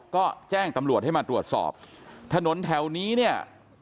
ก็แจ้งตำรวจให้มาตรวจสอบถนนแถวนี้เนี่ย